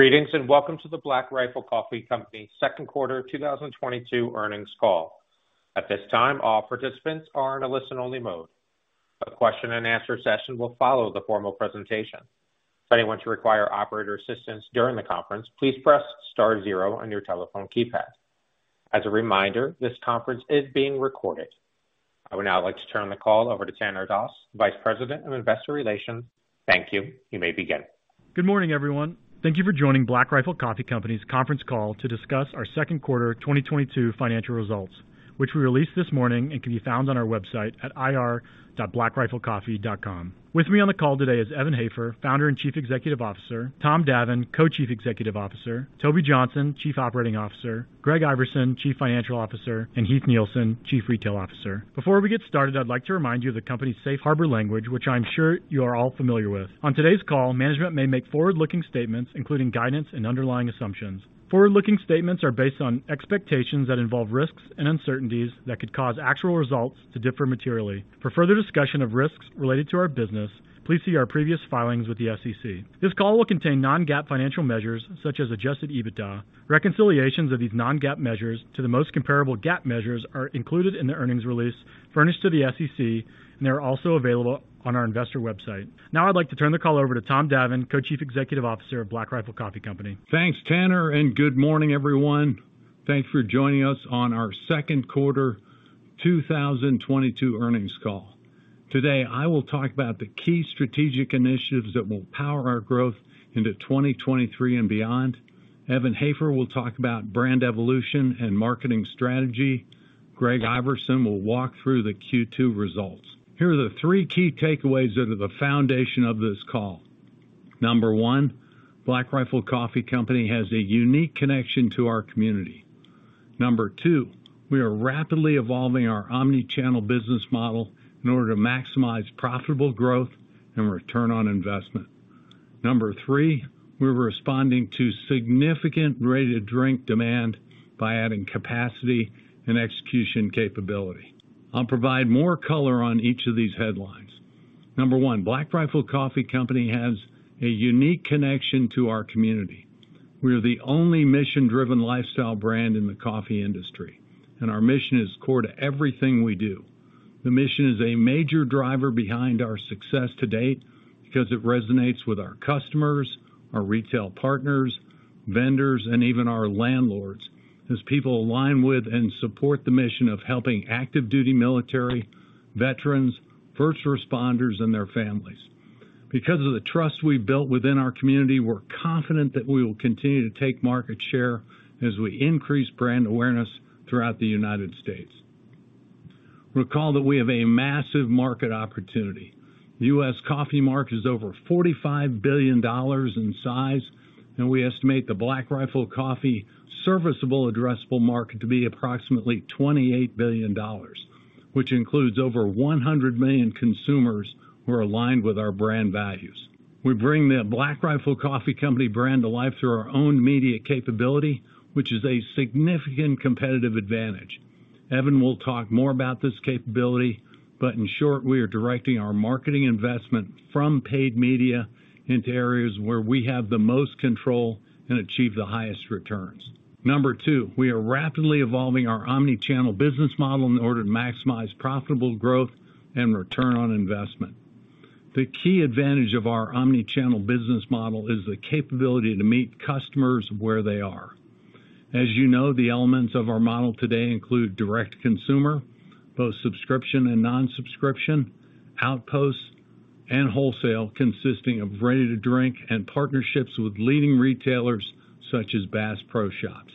Greetings, and welcome to the Black Rifle Coffee Company second quarter 2022 earnings call. At this time, all participants are in a listen-only mode. A question and answer session will follow the formal presentation. If anyone should require operator assistance during the conference, please press star zero on your telephone keypad. As a reminder, this conference is being recorded. I would now like to turn the call over to Tanner Doss, Vice President of Investor Relations. Thank you. You may begin. Good morning, everyone. Thank you for joining Black Rifle Coffee Company's conference call to discuss our second quarter 2022 financial results, which we released this morning and can be found on our website at ir.blackriflecoffee.com. With me on the call today is Evan Hafer, Founder and Chief Executive Officer, Tom Davin, Co-Chief Executive Officer, Toby Johnson, Chief Operating Officer, Greg Iverson, Chief Financial Officer, and Heath Nielsen, Chief Retail Officer. Before we get started, I'd like to remind you of the company's Safe Harbor language, which I'm sure you are all familiar with. On today's call, management may make forward-looking statements, including guidance and underlying assumptions. Forward-looking statements are based on expectations that involve risks and uncertainties that could cause actual results to differ materially. For further discussion of risks related to our business, please see our previous filings with the SEC. This call will contain non-GAAP financial measures such as adjusted EBITDA. Reconciliations of these non-GAAP measures to the most comparable GAAP measures are included in the earnings release furnished to the SEC, and they are also available on our investor website. Now I'd like to turn the call over to Tom Davin, Co-Chief Executive Officer of Black Rifle Coffee Company. Thanks, Tanner, and good morning, everyone. Thanks for joining us on our second quarter 2022 earnings call. Today, I will talk about the key strategic initiatives that will power our growth into 2023 and beyond. Evan Hafer will talk about brand evolution and marketing strategy. Greg Iverson will walk through the Q2 results. Here are the three key takeaways that are the foundation of this call. Number one, Black Rifle Coffee Company has a unique connection to our community. Number two, we are rapidly evolving our omni-channel business model in order to maximize profitable growth and return on investment. Number three, we're responding to significant ready to drink demand by adding capacity and execution capability. I'll provide more color on each of these headlines. Number one, Black Rifle Coffee Company has a unique connection to our community. We are the only mission-driven lifestyle brand in the coffee industry, and our mission is core to everything we do. The mission is a major driver behind our success to date because it resonates with our customers, our retail partners, vendors, and even our landlords as people align with and support the mission of helping active duty military, veterans, first responders and their families. Because of the trust we've built within our community, we're confident that we will continue to take market share as we increase brand awareness throughout the United States. Recall that we have a massive market opportunity. The U.S. coffee market is over $45 billion in size, and we estimate the Black Rifle Coffee serviceable addressable market to be approximately $28 billion, which includes over 100 million consumers who are aligned with our brand values. We bring the Black Rifle Coffee Company brand to life through our own media capability, which is a significant competitive advantage. Evan will talk more about this capability, but in short, we are directing our marketing investment from paid media into areas where we have the most control and achieve the highest returns. Number two, we are rapidly evolving our omni-channel business model in order to maximize profitable growth and return on investment. The key advantage of our omni-channel business model is the capability to meet customers where they are. As you know, the elements of our model today include direct-to-consumer, both subscription and non-subscription, outposts and wholesale, consisting of ready to drink and partnerships with leading retailers such as Bass Pro Shops.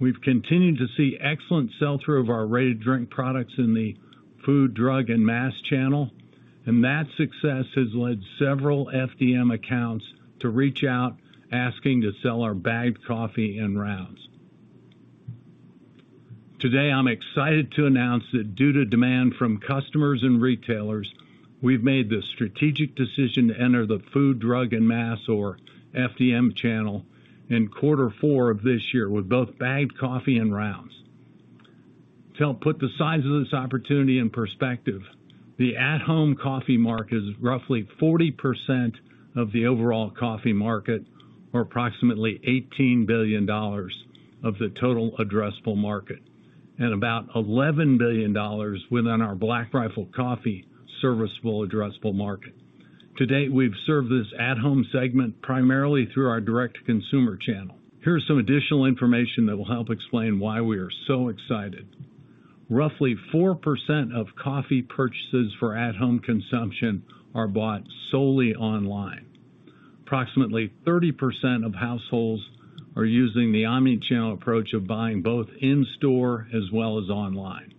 We've continued to see excellent sell-through of our ready to drink products in the food, drug, and mass channel, and that success has led several FDM accounts to reach out, asking to sell our bagged coffee and rounds. Today, I'm excited to announce that due to demand from customers and retailers, we've made the strategic decision to enter the food, drug and mass or FDM channel in quarter four of this year with both bagged coffee and rounds. To help put the size of this opportunity in perspective, the at-home coffee market is roughly 40% of the overall coffee market, or approximately $18 billion of the total addressable market, and about $11 billion within our Black Rifle Coffee serviceable addressable market. To date, we've served this at-home segment primarily through our direct-to-consumer channel. Here's some additional information that will help explain why we are so excited. Roughly 4% of coffee purchases for at-home consumption are bought solely online. Approximately 30% of households are using the omni-channel approach of buying both in-store as well as online.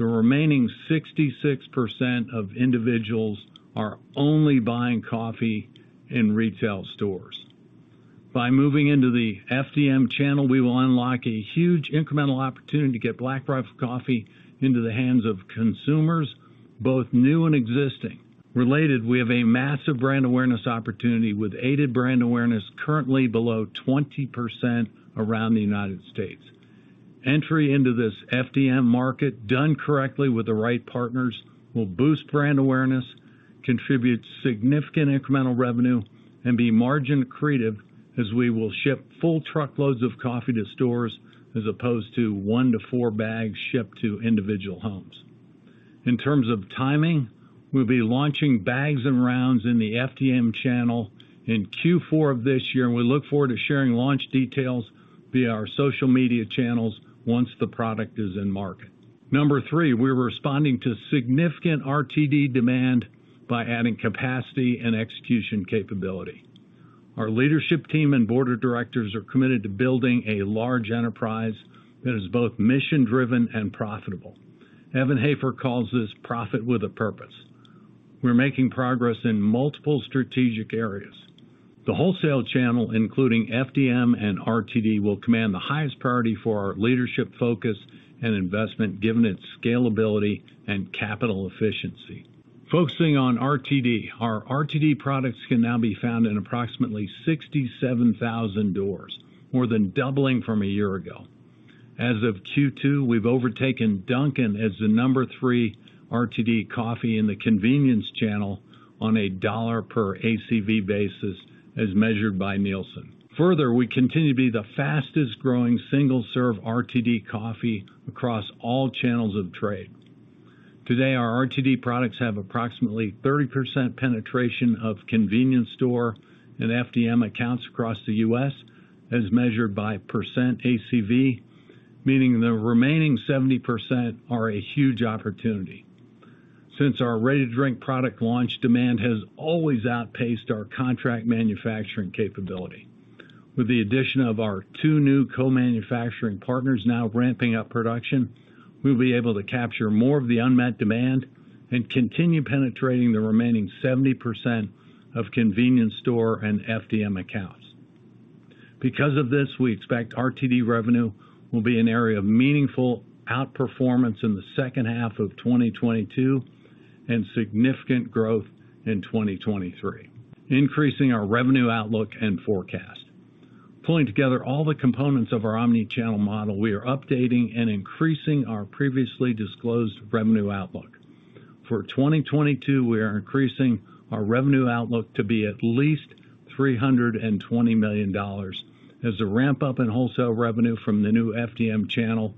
The remaining 66% of individuals are only buying coffee in retail stores. By moving into the FDM channel, we will unlock a huge incremental opportunity to get Black Rifle Coffee into the hands of consumers, both new and existing. Related, we have a massive brand awareness opportunity with aided brand awareness currently below 20% around the United States. Entry into this FDM market done correctly with the right partners will boost brand awareness, contribute significant incremental revenue, and be margin accretive as we will ship full truckloads of coffee to stores as opposed to 1-4 bags shipped to individual homes. In terms of timing, we'll be launching bags and rounds in the FDM channel in Q4 of this year, and we look forward to sharing launch details via our social media channels once the product is in market. Number three, we're responding to significant RTD demand by adding capacity and execution capability. Our leadership team and board of directors are committed to building a large enterprise that is both mission-driven and profitable. Evan Hafer calls this profit with a purpose. We're making progress in multiple strategic areas. The wholesale channel, including FDM and RTD, will command the highest priority for our leadership focus and investment given its scalability and capital efficiency. Focusing on RTD. Our RTD products can now be found in approximately 67,000 doors, more than doubling from a year ago. As of Q2, we've overtaken Dunkin' as the number three RTD coffee in the convenience channel on a dollar per ACV basis as measured by Nielsen. Further, we continue to be the fastest-growing single-serve RTD coffee across all channels of trade. Today, our RTD products have approximately 30% penetration of convenience store and FDM accounts across the U.S. as measured by percent ACV, meaning the remaining 70% are a huge opportunity. Since our ready-to-drink product launch, demand has always outpaced our contract manufacturing capability. With the addition of our two new co-manufacturing partners now ramping up production, we'll be able to capture more of the unmet demand and continue penetrating the remaining 70% of convenience store and FDM accounts. Because of this, we expect RTD revenue will be an area of meaningful outperformance in the second half of 2022 and significant growth in 2023. Increasing our revenue outlook and forecast. Pulling together all the components of our omni-channel model, we are updating and increasing our previously disclosed revenue outlook. For 2022, we are increasing our revenue outlook to be at least $320 million as the ramp-up in wholesale revenue from the new FDM channel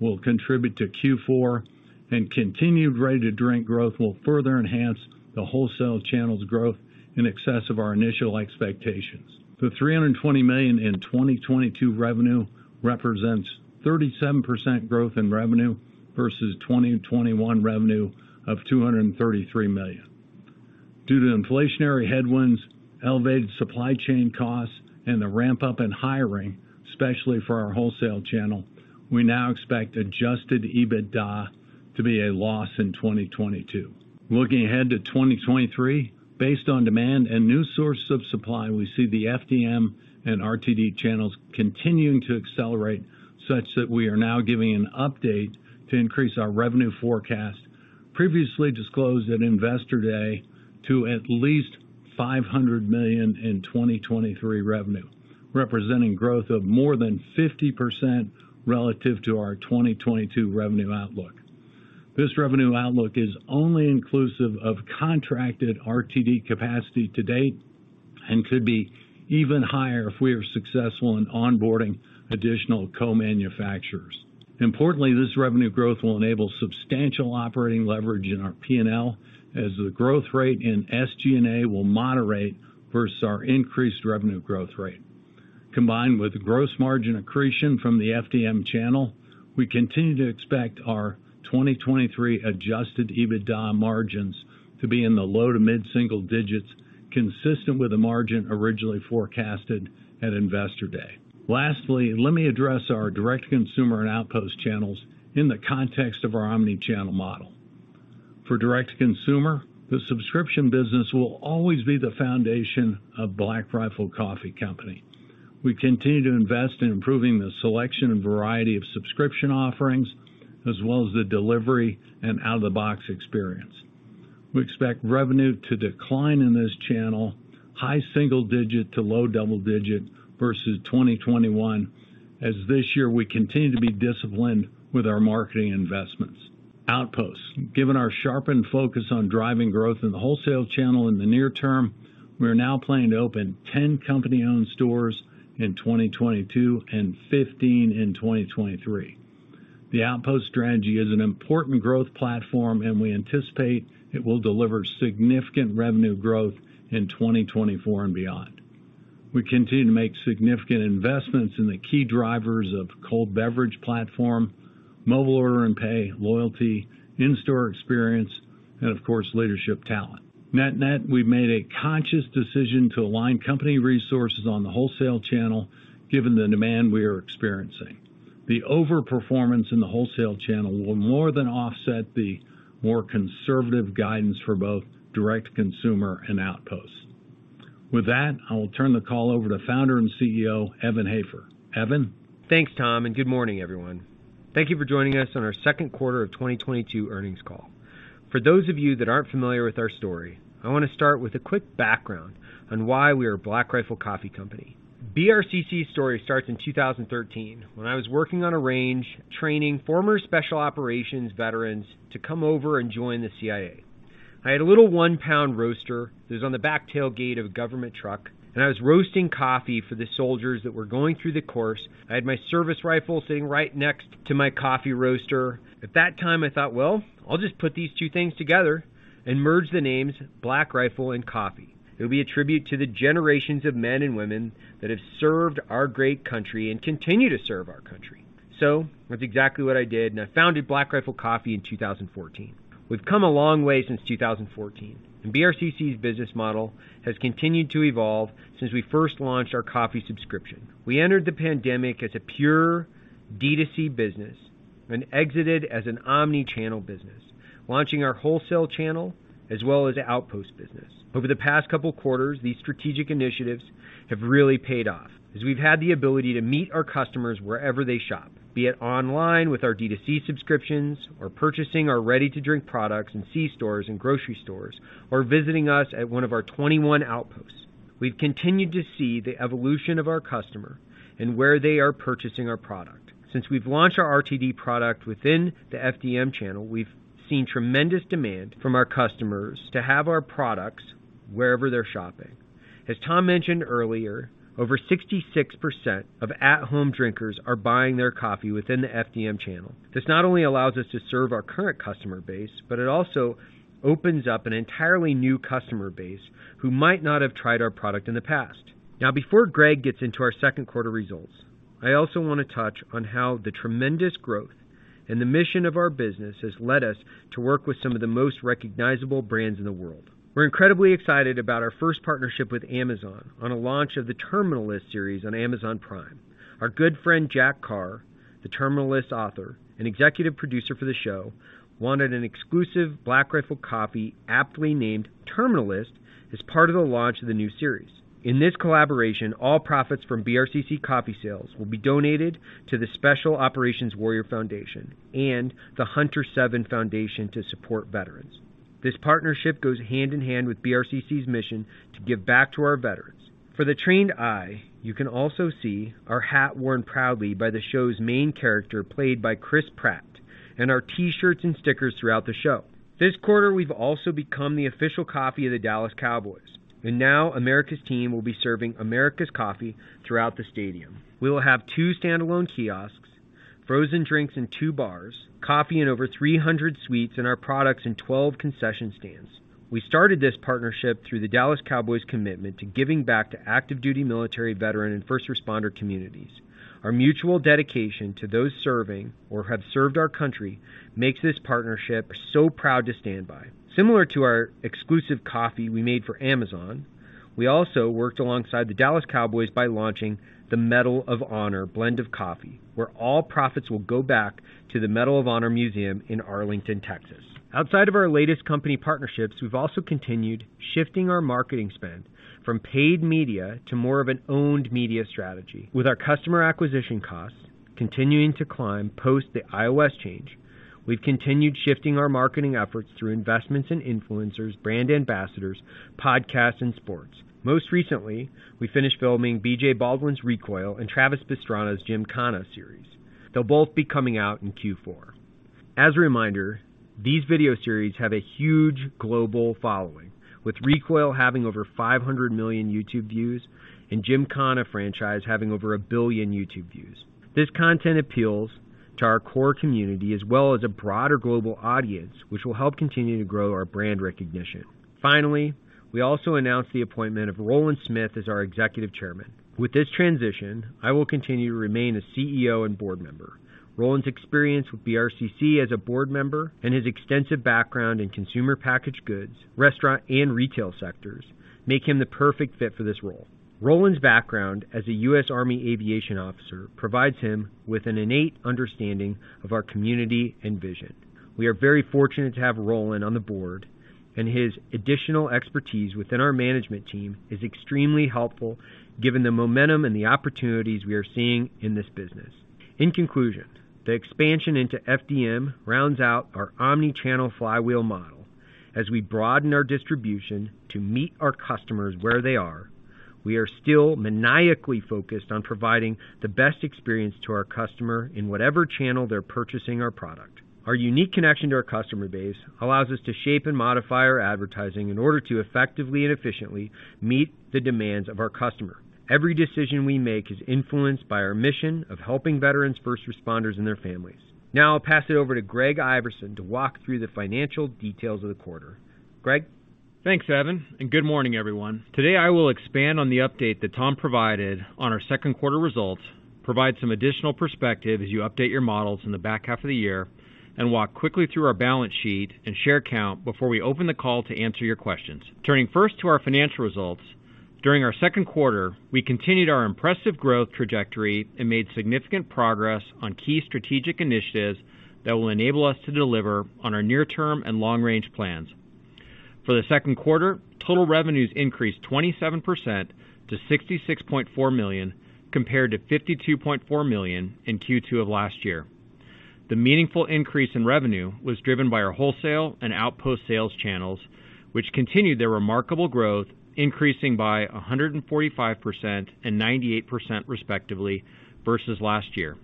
will contribute to Q4 and continued ready-to-drink growth will further enhance the wholesale channel's growth in excess of our initial expectations. The $320 million in 2022 revenue represents 37% growth in revenue versus 2021 revenue of $233 million. Due to inflationary headwinds, elevated supply chain costs, and the ramp-up in hiring, especially for our wholesale channel, we now expect adjusted EBITDA to be a loss in 2022. Looking ahead to 2023, based on demand and new sources of supply, we see the FDM and RTD channels continuing to accelerate such that we are now giving an update to increase our revenue forecast previously disclosed at Investor Day to at least $500 million in 2023 revenue, representing growth of more than 50% relative to our 2022 revenue outlook. This revenue outlook is only inclusive of contracted RTD capacity to date and could be even higher if we are successful in onboarding additional co-manufacturers. Importantly, this revenue growth will enable substantial operating leverage in our P&L as the growth rate in SG&A will moderate versus our increased revenue growth rate. Combined with gross margin accretion from the FDM channel, we continue to expect our 2023 adjusted EBITDA margins to be in the low- to mid-single digits, consistent with the margin originally forecasted at Investor Day. Lastly, let me address our direct-to-consumer and outpost channels in the context of our omni-channel model. For direct-to-consumer, the subscription business will always be the foundation of Black Rifle Coffee Company. We continue to invest in improving the selection and variety of subscription offerings, as well as the delivery and out-of-the-box experience. We expect revenue to decline in this channel high-single-digit% to low-double-digit% versus 2021 as this year we continue to be disciplined with our marketing investments. Outposts. Given our sharpened focus on driving growth in the wholesale channel in the near term, we are now planning to open 10 company-owned stores in 2022 and 15 in 2023. The outpost strategy is an important growth platform, and we anticipate it will deliver significant revenue growth in 2024 and beyond. We continue to make significant investments in the key drivers of cold beverage platform, mobile order and pay, loyalty, in-store experience, and of course, leadership talent. Net-net, we've made a conscious decision to align company resources on the wholesale channel given the demand we are experiencing. The overperformance in the wholesale channel will more than offset the more conservative guidance for both direct consumer and outposts. With that, I will turn the call over to Founder and CEO, Evan Hafer. Evan? Thanks, Tom, and good morning, everyone. Thank you for joining us on our second quarter of 2022 earnings call. For those of you that aren't familiar with our story, I wanna start with a quick background on why we are Black Rifle Coffee Company. BRCC story starts in 2013 when I was working on a range training former special operations veterans to come over and join the CIA. I had a little one-pound roaster that was on the back tailgate of a government truck, and I was roasting coffee for the soldiers that were going through the course. I had my service rifle sitting right next to my coffee roaster. At that time, I thought, "Well, I'll just put these two things together and merge the names Black Rifle and Coffee. It'll be a tribute to the generations of men and women that have served our great country and continue to serve our country. That's exactly what I did, and I founded Black Rifle Coffee in 2014. We've come a long way since 2014, and BRCC's business model has continued to evolve since we first launched our coffee subscription. We entered the pandemic as a pure D2C business and exited as an omni-channel business, launching our wholesale channel as well as the outpost business. Over the past couple quarters, these strategic initiatives have really paid off as we've had the ability to meet our customers wherever they shop, be it online with our D2C subscriptions or purchasing our ready-to-drink products in c-stores and grocery stores, or visiting us at one of our 21 outposts. We've continued to see the evolution of our customer and where they are purchasing our product. Since we've launched our RTD product within the FDM channel, we've seen tremendous demand from our customers to have our products wherever they're shopping. As Tom mentioned earlier, over 66% of at-home drinkers are buying their coffee within the FDM channel. This not only allows us to serve our current customer base, but it also opens up an entirely new customer base who might not have tried our product in the past. Now, before Greg gets into our second quarter results, I also wanna touch on how the tremendous growth and the mission of our business has led us to work with some of the most recognizable brands in the world. We're incredibly excited about our first partnership with Amazon on a launch of The Terminal List series on Amazon Prime. Our good friend, Jack Carr, the Terminal List author and executive producer for the show, wanted an exclusive Black Rifle Coffee, aptly named Terminal List, as part of the launch of the new series. In this collaboration, all profits from BRCC coffee sales will be donated to the Special Operations Warrior Foundation and the Hunter Seven Foundation to support veterans. This partnership goes hand in hand with BRCC's mission to give back to our veterans. For the trained eye, you can also see our hat worn proudly by the show's main character, played by Chris Pratt, and our T-shirts and stickers throughout the show. This quarter, we've also become the official coffee of the Dallas Cowboys, and now America's team will be serving America's coffee throughout the stadium. We will have two standalone kiosks, frozen drinks and two bars, coffee in over 300 suites, and our products in 12 concession stands. We started this partnership through the Dallas Cowboys commitment to giving back to active duty military, veteran, and first responder communities. Our mutual dedication to those serving or have served our country makes this partnership so proud to stand by. Similar to our exclusive coffee we made for Amazon, we also worked alongside the Dallas Cowboys by launching the Medal of Honor blend of coffee, where all profits will go back to the Medal of Honor Museum in Arlington, Texas. Outside of our latest company partnerships, we've also continued shifting our marketing spend from paid media to more of an owned media strategy. With our customer acquisition costs continuing to climb post the iOS change, we've continued shifting our marketing efforts through investments in influencers, brand ambassadors, podcasts, and sports. Most recently, we finished filming BJ Baldwin's Recoil and Travis Pastrana's Gymkhana series. They'll both be coming out in Q4. As a reminder, these video series have a huge global following, with Recoil having over 500 million YouTube views and Gymkhana franchise having over 1 billion YouTube views. This content appeals to our core community as well as a broader global audience, which will help continue to grow our brand recognition. Finally, we also announced the appointment of Roland Smith as our Executive Chairman. With this transition, I will continue to remain a CEO and board member. Roland's experience with BRCC as a board member and his extensive background in consumer packaged goods, restaurant, and retail sectors make him the perfect fit for this role. Roland's background as a U.S. Army aviation officer provides him with an innate understanding of our community and vision. We are very fortunate to have Roland on the board, and his additional expertise within our management team is extremely helpful given the momentum and the opportunities we are seeing in this business. In conclusion, the expansion into FDM rounds out our omni-channel flywheel model. As we broaden our distribution to meet our customers where they are, we are still maniacally focused on providing the best experience to our customer in whatever channel they're purchasing our product. Our unique connection to our customer base allows us to shape and modify our advertising in order to effectively and efficiently meet the demands of our customer. Every decision we make is influenced by our mission of helping veterans, first responders, and their families. Now I'll pass it over to Greg Iverson to walk through the financial details of the quarter. Greg? Thanks, Evan, and good morning, everyone. Today, I will expand on the update that Tom provided on our second quarter results, provide some additional perspective as you update your models in the back half of the year, and walk quickly through our balance sheet and share count before we open the call to answer your questions. Turning first to our financial results, during our second quarter, we continued our impressive growth trajectory and made significant progress on key strategic initiatives that will enable us to deliver on our near-term and long-range plans. For the second quarter, total revenues increased 27% to $66.4 million compared to $52.4 million in Q2 of last year. The meaningful increase in revenue was driven by our wholesale and outpost sales channels, which continued their remarkable growth, increasing by 145% and 98% respectively versus last year.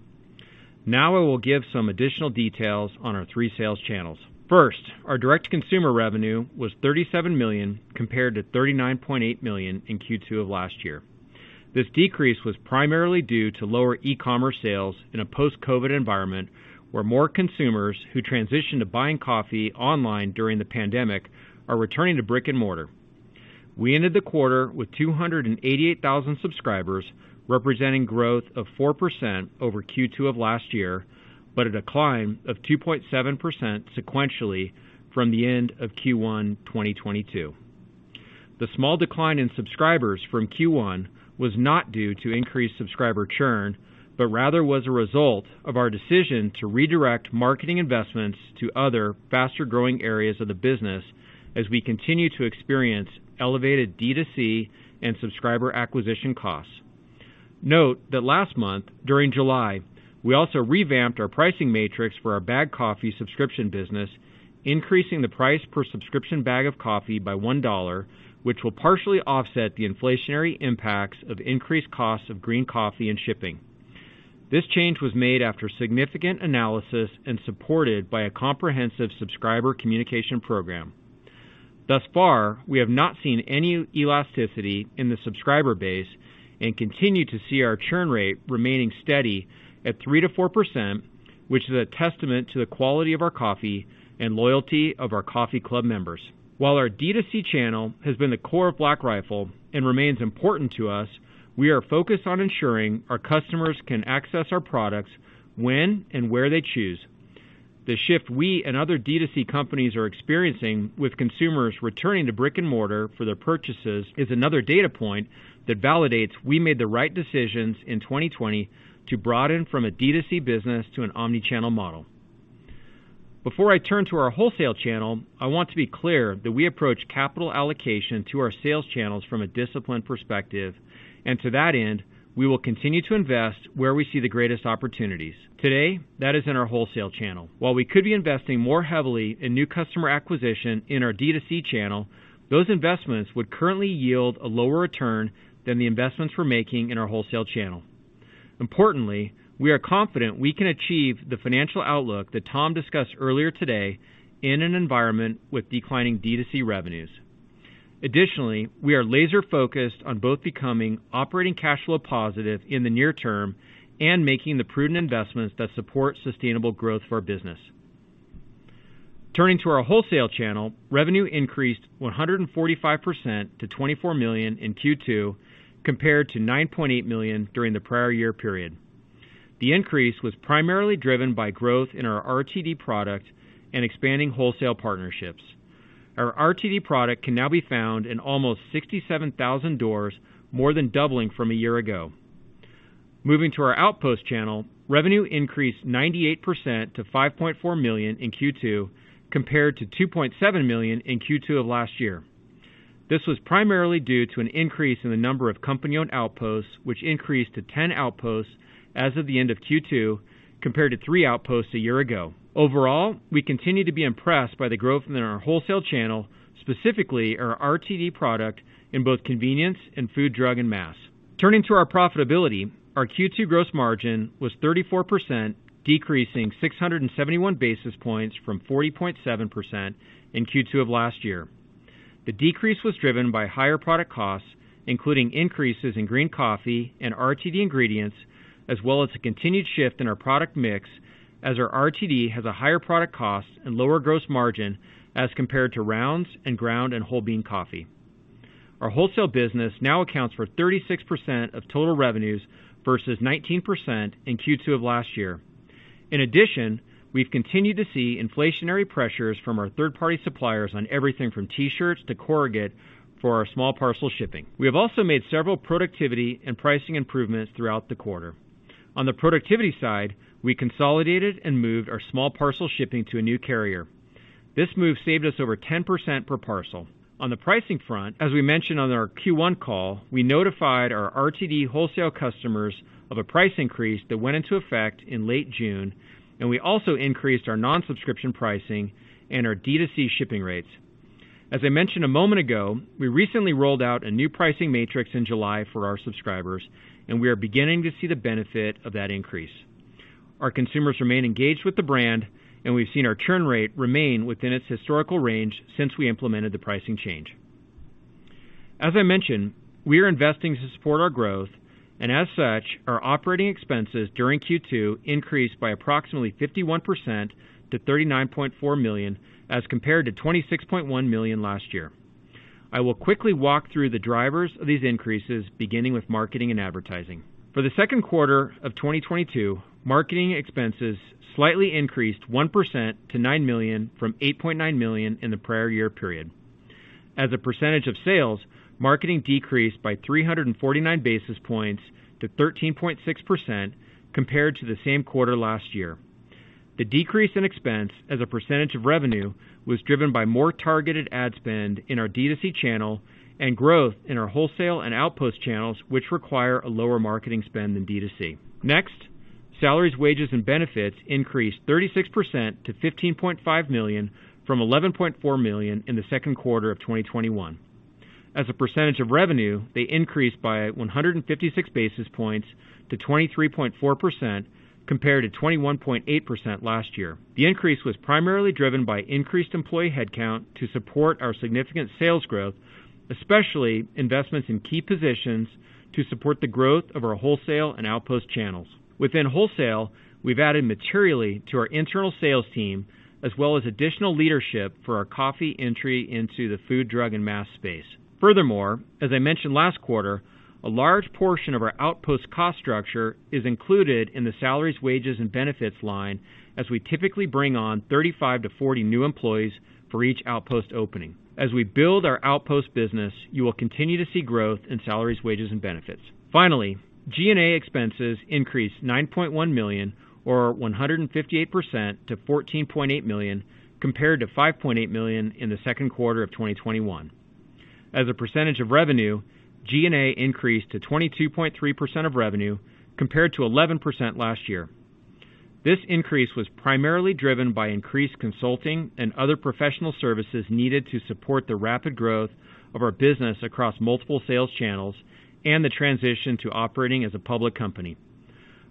Now I will give some additional details on our three sales channels. First, our direct-to-consumer revenue was $37 million compared to $39.8 million in Q2 of last year. This decrease was primarily due to lower e-commerce sales in a post-COVID environment where more consumers who transitioned to buying coffee online during the pandemic are returning to brick-and-mortar. We ended the quarter with 288,000 subscribers, representing growth of 4% over Q2 of last year, but a decline of 2.7% sequentially from the end of Q1 2022. The small decline in subscribers from Q1 was not due to increased subscriber churn, but rather was a result of our decision to redirect marketing investments to other faster-growing areas of the business as we continue to experience elevated D2C and subscriber acquisition costs. Note that last month, during July, we also revamped our pricing matrix for our bagged coffee subscription business, increasing the price per subscription bag of coffee by $1, which will partially offset the inflationary impacts of increased costs of green coffee and shipping. This change was made after significant analysis and supported by a comprehensive subscriber communication program. Thus far, we have not seen any elasticity in the subscriber base and continue to see our churn rate remaining steady at 3%-4%, which is a testament to the quality of our coffee and loyalty of our coffee club members. While our D2C channel has been the core of Black Rifle and remains important to us, we are focused on ensuring our customers can access our products when and where they choose. The shift we and other D2C companies are experiencing with consumers returning to brick-and-mortar for their purchases is another data point that validates we made the right decisions in 2020 to broaden from a D2C business to an omni-channel model. Before I turn to our wholesale channel, I want to be clear that we approach capital allocation to our sales channels from a disciplined perspective, and to that end, we will continue to invest where we see the greatest opportunities. Today, that is in our wholesale channel. While we could be investing more heavily in new customer acquisition in our D2C channel, those investments would currently yield a lower return than the investments we're making in our wholesale channel. Importantly, we are confident we can achieve the financial outlook that Tom discussed earlier today in an environment with declining D2C revenues. We are laser-focused on both becoming operating cash flow positive in the near term and making the prudent investments that support sustainable growth for our business. Turning to our wholesale channel, revenue increased 145% to $24 million in Q2 compared to $9.8 million during the prior year period. The increase was primarily driven by growth in our RTD product and expanding wholesale partnerships. Our RTD product can now be found in almost 67,000 doors, more than doubling from a year ago. Moving to our outpost channel, revenue increased 98% to $5.4 million in Q2 compared to $2.7 million in Q2 of last year. This was primarily due to an increase in the number of company-owned outposts, which increased to 10 outposts as of the end of Q2 compared to three outposts a year ago. Overall, we continue to be impressed by the growth in our wholesale channel, specifically our RTD product in both convenience and food, drug, and mass. Turning to our profitability, our Q2 gross margin was 34%, decreasing 671 basis points from 40.7% in Q2 of last year. The decrease was driven by higher product costs, including increases in green coffee and RTD ingredients, as well as a continued shift in our product mix as our RTD has a higher product cost and lower gross margin as compared to rounds and ground and whole bean coffee. Our wholesale business now accounts for 36% of total revenues versus 19% in Q2 of last year. In addition, we've continued to see inflationary pressures from our third-party suppliers on everything from T-shirts to corrugate for our small parcel shipping. We have also made several productivity and pricing improvements throughout the quarter. On the productivity side, we consolidated and moved our small parcel shipping to a new carrier. This move saved us over 10% per parcel. On the pricing front, as we mentioned on our Q1 call, we notified our RTD wholesale customers of a price increase that went into effect in late June, and we also increased our non-subscription pricing and our D2C shipping rates. As I mentioned a moment ago, we recently rolled out a new pricing matrix in July for our subscribers, and we are beginning to see the benefit of that increase. Our consumers remain engaged with the brand, and we've seen our churn rate remain within its historical range since we implemented the pricing change. As I mentioned, we are investing to support our growth, and as such, our operating expenses during Q2 increased by approximately 51% to $39.4 million as compared to $26.1 million last year. I will quickly walk through the drivers of these increases, beginning with marketing and advertising. For the second quarter of 2022, marketing expenses slightly increased 1% to $9 million from $8.9 million in the prior year period. As a percentage of sales, marketing decreased by 349 basis points to 13.6% compared to the same quarter last year. The decrease in expense as a percentage of revenue was driven by more targeted ad spend in our D2C channel and growth in our wholesale and outpost channels, which require a lower marketing spend than D2C. Next, salaries, wages, and benefits increased 36% to $15.5 million from $11.4 million in the second quarter of 2021. As a percentage of revenue, they increased by 156 basis points to 23.4% compared to 21.8% last year. The increase was primarily driven by increased employee headcount to support our significant sales growth, especially investments in key positions to support the growth of our wholesale and outpost channels. Within wholesale, we've added materially to our internal sales team as well as additional leadership for our coffee entry into the food, drug, and mass space. Furthermore, as I mentioned last quarter, a large portion of our outpost cost structure is included in the salaries, wages, and benefits line, as we typically bring on 35-40 new employees for each outpost opening. As we build our outpost business, you will continue to see growth in salaries, wages, and benefits. Finally, G&A expenses increased $9.1 million or 158% to $14.8 million compared to $5.8 million in the second quarter of 2021. As a percentage of revenue, G&A increased to 22.3% of revenue compared to 11% last year. This increase was primarily driven by increased consulting and other professional services needed to support the rapid growth of our business across multiple sales channels and the transition to operating as a public company.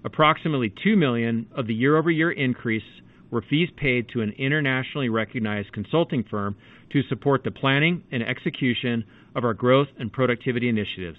Approximately $2 million of the year-over-year increase were fees paid to an internationally recognized consulting firm to support the planning and execution of our growth and productivity initiatives.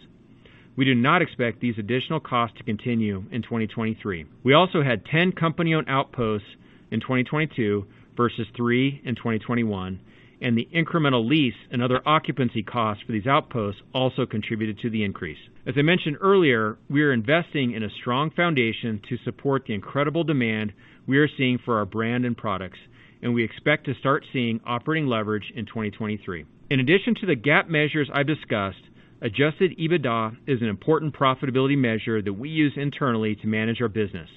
We do not expect these additional costs to continue in 2023. We also had 10 company-owned outposts in 2022 versus three in 2021, and the incremental lease and other occupancy costs for these outposts also contributed to the increase. As I mentioned earlier, we are investing in a strong foundation to support the incredible demand we are seeing for our brand and products, and we expect to start seeing operating leverage in 2023. In addition to the GAAP measures I discussed, adjusted EBITDA is an important profitability measure that we use internally to manage our business.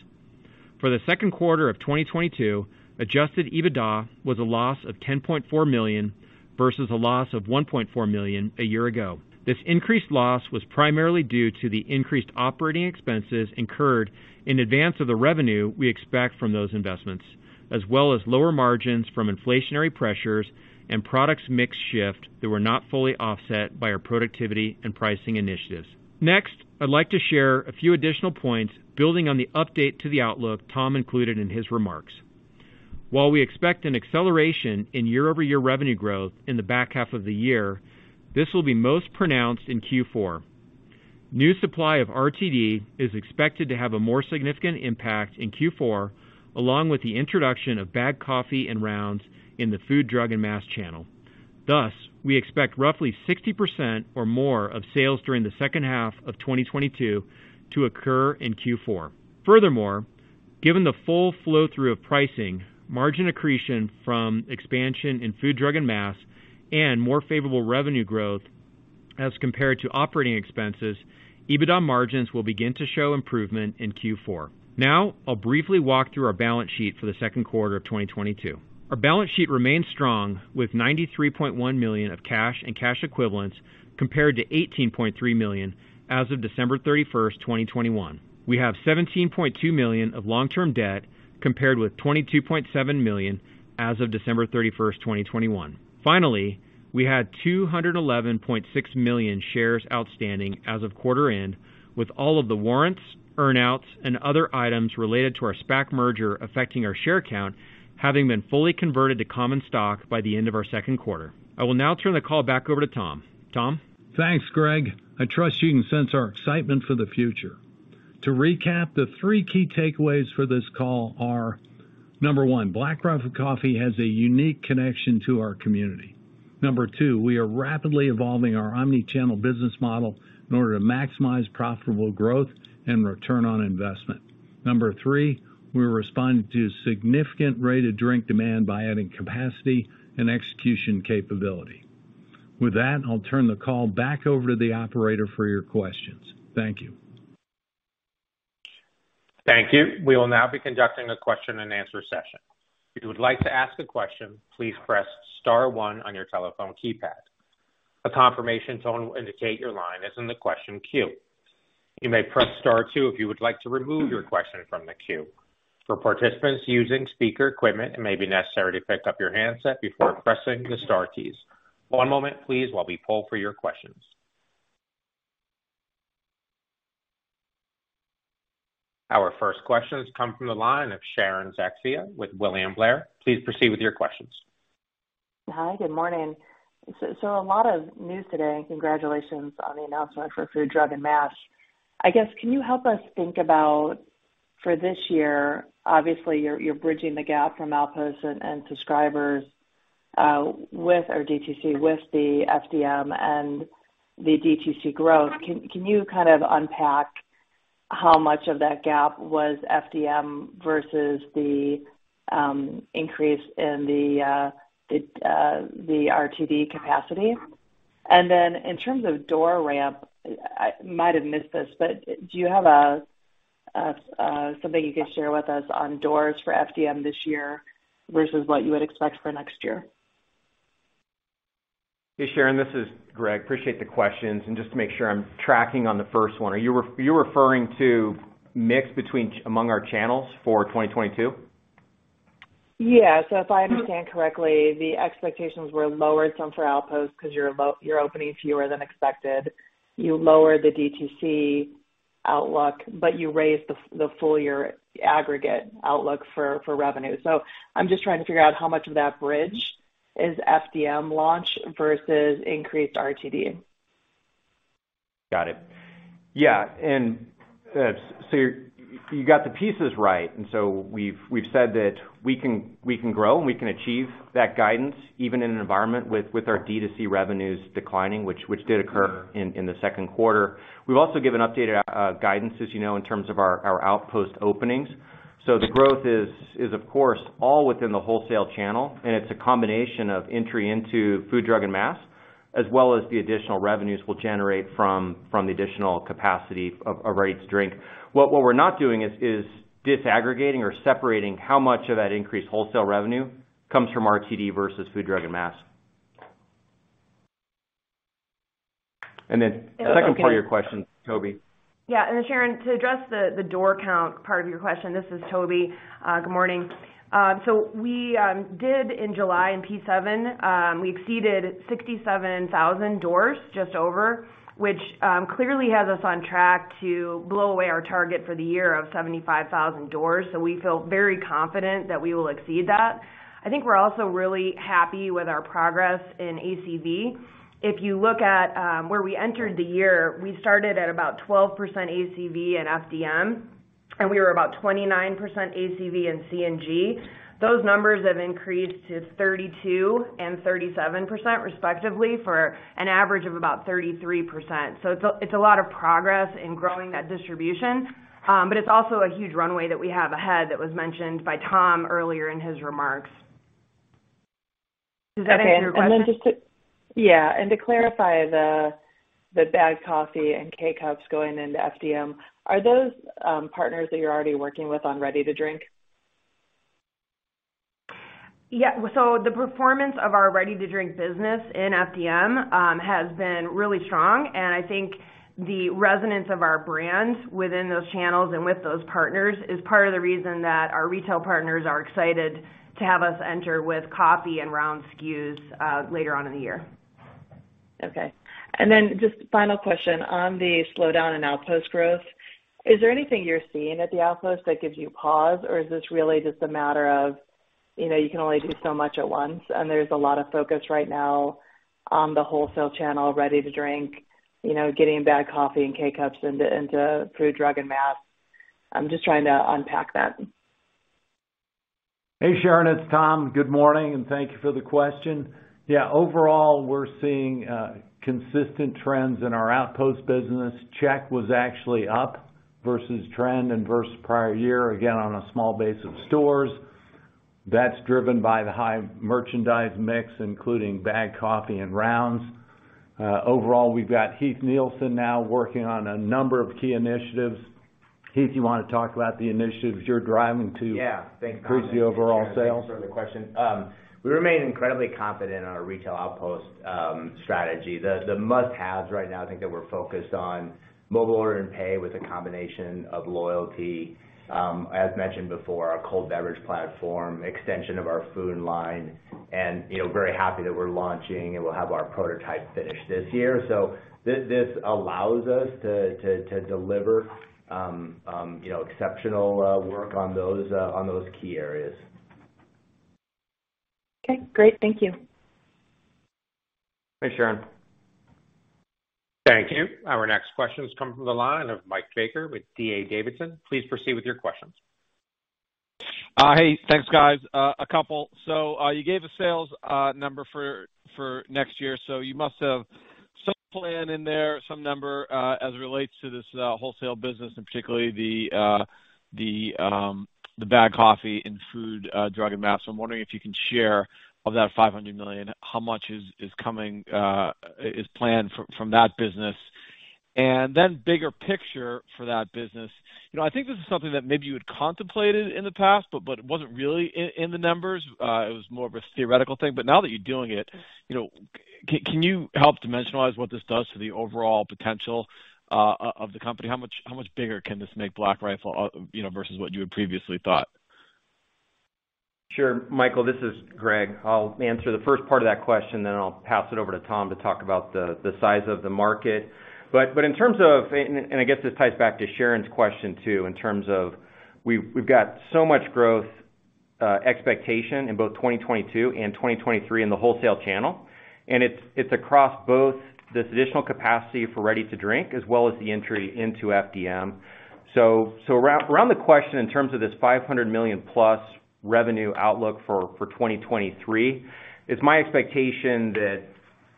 For the second quarter of 2022, adjusted EBITDA was a loss of $10.4 million versus a loss of $1.4 million a year ago. This increased loss was primarily due to the increased operating expenses incurred in advance of the revenue we expect from those investments, as well as lower margins from inflationary pressures and products mix shift that were not fully offset by our productivity and pricing initiatives. Next, I'd like to share a few additional points building on the update to the outlook Tom included in his remarks. While we expect an acceleration in year-over-year revenue growth in the back half of the year, this will be most pronounced in Q4. New supply of RTD is expected to have a more significant impact in Q4, along with the introduction of bagged coffee and rounds in the food, drug, and mass channel. Thus, we expect roughly 60% or more of sales during the second half of 2022 to occur in Q4. Furthermore, given the full flow-through of pricing, margin accretion from expansion in food, drug, and mass, and more favorable revenue growth as compared to operating expenses, EBITDA margins will begin to show improvement in Q4. Now I'll briefly walk through our balance sheet for the second quarter of 2022. Our balance sheet remains strong with $93.1 million of cash and cash equivalents compared to $18.3 million as of December 31, 2021. We have $17.2 million of long-term debt compared with $22.7 million as of December 31st, 2021. Finally, we had 211.6 million shares outstanding as of quarter end, with all of the warrants, earn-outs, and other items related to our SPAC merger affecting our share count having been fully converted to common stock by the end of our second quarter. I will now turn the call back over to Tom. Tom? Thanks, Greg. I trust you can sense our excitement for the future. To recap, the three key takeaways for this call are, number one, Black Rifle Coffee has a unique connection to our community. Number two, we are rapidly evolving our omni-channel business model in order to maximize profitable growth and return on investment. Number 3, we're responding to significant ready-to-drink demand by adding capacity and execution capability. With that, I'll turn the call back over to the operator for your questions. Thank you. Thank you. We will now be conducting a question-and-answer session. If you would like to ask a question, please press star one on your telephone keypad. A confirmation tone will indicate your line is in the question queue. You may press star two if you would like to remove your question from the queue. For participants using speaker equipment, it may be necessary to pick up your handset before pressing the star keys. One moment, please, while we poll for your questions. Our first question has come from the line of Sharon Zackfia with William Blair. Please proceed with your questions. Hi. Good morning. A lot of news today. Congratulations on the announcement for food, drug, and mass. I guess, can you help us think about for this year, obviously, you're bridging the gap from outposts and subscribers with our D2C, with the FDM and the D2C growth. Can you kind of unpack how much of that gap was FDM versus the increase in the RTD capacity? In terms of door ramp, I might have missed this, but do you have something you can share with us on doors for FDM this year versus what you would expect for next year? Hey, Sharon, this is Greg. Appreciate the questions. Just to make sure I'm tracking on the first one. Are you referring to mix among our channels for 2022? Yeah. If I understand correctly, the expectations were lowered some for Outpost because you're opening fewer than expected. You lowered the DTC outlook, but you raised the full year aggregate outlook for revenue. I'm just trying to figure out how much of that bridge is FDM launch versus increased RTD. Got it. Yeah. You got the pieces right. We've said that we can grow and we can achieve that guidance even in an environment with our DTC revenues declining, which did occur in the second quarter. We've also given updated guidance, as you know, in terms of our Outpost openings. The growth is, of course, all within the wholesale channel, and it's a combination of entry into food, drug, and mass, as well as the additional revenues we'll generate from the additional capacity of Ready-to-Drink. What we're not doing is disaggregating or separating how much of that increased wholesale revenue comes from RTD versus food, drug, and mass. Second part of your question, Toby. Yeah. Sharon, to address the door count part of your question. This is Toby. Good morning. We exceeded 67,000 doors, just over, which clearly has us on track to blow away our target for the year of 75,000 doors. We feel very confident that we will exceed that. I think we're also really happy with our progress in ACV. If you look at where we entered the year, we started at about 12% ACV and FDM, and we were about 29% ACV and C&G. Those numbers have increased to 32% and 37% respectively for an average of about 33%. It's a lot of progress in growing that distribution, but it's also a huge runway that we have ahead that was mentioned by Tom earlier in his remarks. Does that answer your question? To clarify the bag coffee and K-Cups going into FDM, are those partners that you're already working with on Ready-to-Drink? The performance of our Ready-to-Drink business in FDM has been really strong, and I think the resonance of our brand within those channels and with those partners is part of the reason that our retail partners are excited to have us enter with coffee and round SKUs later on in the year. Okay. Just final question on the slowdown in Outpost growth. Is there anything you're seeing at the Outpost that gives you pause, or is this really just a matter of, you know, you can only do so much at once, and there's a lot of focus right now on the wholesale channel, Ready-to-Drink, you know, getting bag coffee and K-Cups into food, drug, and mass? I'm just trying to unpack that. Hey, Sharon, it's Tom. Good morning, and thank you for the question. Yeah. Overall, we're seeing consistent trends in our Outpost business. Check was actually up versus trend and versus prior year, again, on a small base of stores. That's driven by the high merchandise mix, including bag coffee and rounds. Overall, we've got Heath Nielsen now working on a number of key initiatives. Heath, you wanna talk about the initiatives you're driving to. Yeah. Thanks, Tom. Increase the overall sales? Thanks for the question. We remain incredibly confident in our retail outpost strategy. The must-haves right now, I think that we're focused on mobile order and pay with a combination of loyalty, as mentioned before, our cold beverage platform, extension of our food line, and, you know, very happy that we're launching, and we'll have our prototype finished this year. This allows us to deliver, you know, exceptional work on those key areas. Okay, great. Thank you. Thanks, Sharon. Thank you. Our next question is coming from the line of Mike Baker with D.A. Davidson. Please proceed with your questions. Hey. Thanks, guys. A couple. You gave a sales number for next year, so you must have some plan in there, some number as it relates to this wholesale business, and particularly the bag coffee in food, drug and mass. I'm wondering if you can share of that $500 million, how much is coming is planned from that business. Then bigger picture for that business. You know, I think this is something that maybe you had contemplated in the past, but it wasn't really in the numbers. It was more of a theoretical thing. Now that you're doing it, you know, can you help dimensionalize what this does to the overall potential of the company? How much bigger can this make Black Rifle, you know, versus what you had previously thought? Sure, Michael, this is Greg. I'll answer the first part of that question, then I'll pass it over to Tom to talk about the size of the market. In terms of this ties back to Sharon's question, too, in terms of we've got so much growth expectation in both 2022 and 2023 in the wholesale channel, and it's across both this additional capacity for Ready-to-Drink as well as the entry into FDM. Around the question in terms of this $500 million-plus revenue outlook for 2023, it's my expectation that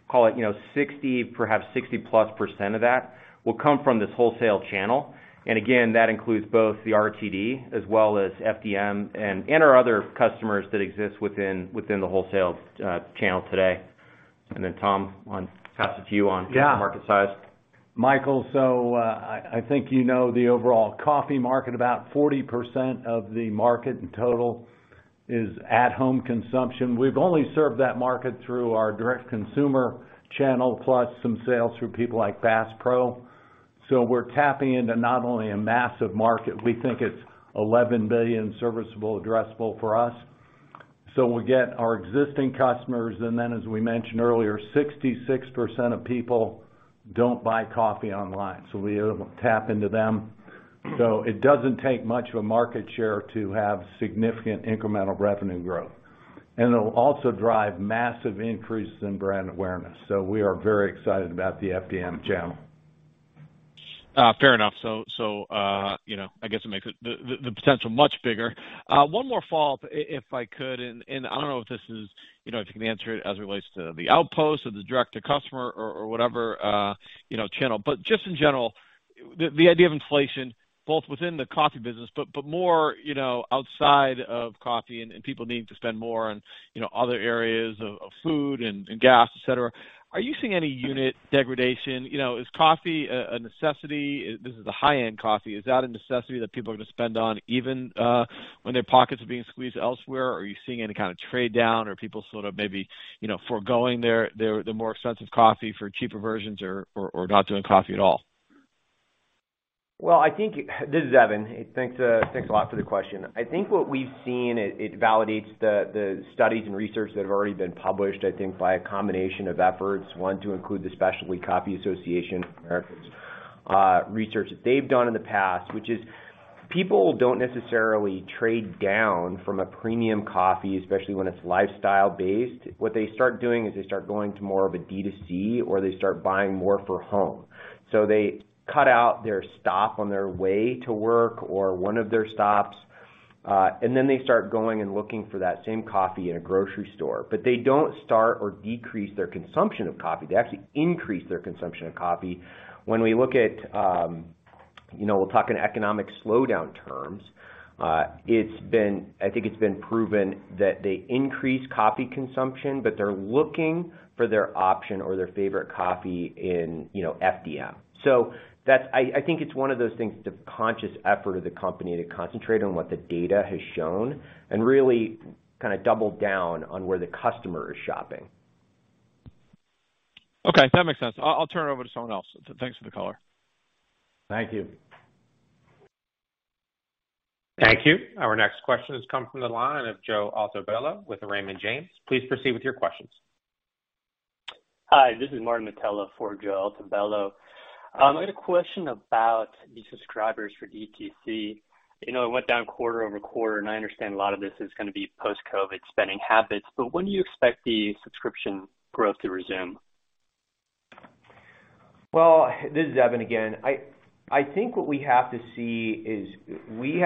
call it, you know, 60, perhaps 60% of that will come from this wholesale channel. Again, that includes both the RTD as well as FDM and our other customers that exist within the wholesale channel today. Tom, pass it to you on market size. Yeah. Michael, I think you know the overall coffee market, about 40% of the market in total is at home consumption. We've only served that market through our direct consumer channel plus some sales through people like Bass Pro. We're tapping into not only a massive market, we think it's $11 billion serviceable addressable for us. We get our existing customers, and then as we mentioned earlier, 66% of people don't buy coffee online, so we tap into them. It doesn't take much of a market share to have significant incremental revenue growth. It'll also drive massive increases in brand awareness. We are very excited about the FDM channel. Fair enough. You know, I guess it makes the potential much bigger. One more follow-up, if I could, and I don't know if this is, you know, if you can answer it as it relates to the Outpost or the direct to customer or whatever channel. Just in general, the idea of inflation, both within the coffee business, but more, you know, outside of coffee and people needing to spend more on, you know, other areas of food and gas, et cetera. Are you seeing any unit degradation? You know, is coffee a necessity? This is the high-end coffee. Is that a necessity that people are gonna spend on even when their pockets are being squeezed elsewhere? Are you seeing any kind of trade down or people sort of maybe, you know, foregoing the more expensive coffee for cheaper versions or not doing coffee at all? Well, I think this is Evan. Thanks a lot for the question. I think what we've seen, it validates the studies and research that have already been published, I think, by a combination of efforts. One, to include the Specialty Coffee Association of America's research that they've done in the past, which is people don't necessarily trade down from a premium coffee, especially when it's lifestyle-based. What they start doing is they start going to more of a D2C or they start buying more for home. They cut out their stop on their way to work or one of their stops, and then they start going and looking for that same coffee in a grocery store. They don't start or decrease their consumption of coffee. They actually increase their consumption of coffee. When we look at, you know, we're talking in terms of economic slowdown, it's been proven that they increase coffee consumption, but they're looking for their option or their favorite coffee in, you know, FDM. That's, I think, one of those things, the conscious effort of the company to concentrate on what the data has shown and really kinda double down on where the customer is shopping. Okay, that makes sense. I'll turn it over to someone else. Thanks for the color. Thank you. Thank you. Our next question has come from the line of Joseph Altobello with Raymond James. Please proceed with your questions. Hi, this is Martin Mitela for Joseph Altobello. I had a question about the subscribers for DTC. You know, it went down quarter-over-quarter, and I understand a lot of this is gonna be post-COVID spending habits, but when do you expect the subscription growth to resume? Well, this is Evan again. I think what we have to see is really